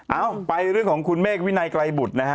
เอ้าไปเรื่องของคุณเมฆวินัยไกรบุตรนะฮะ